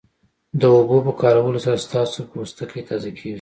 د اوبو په کارولو سره ستاسو پوستکی تازه کیږي